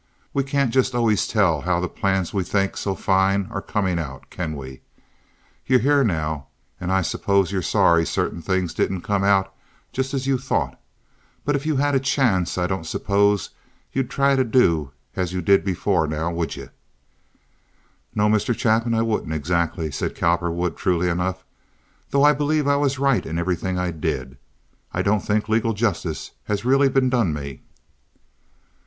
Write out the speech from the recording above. "We can't just always tell how the plans we think so fine are coming out, can we? You're here now, an' I suppose you're sorry certain things didn't come out just as you thought; but if you had a chance I don't suppose you'd try to do just as you did before, now would yuh?" "No, Mr. Chapin, I wouldn't, exactly," said Cowperwood, truly enough, "though I believed I was right in everything I did. I don't think legal justice has really been done me."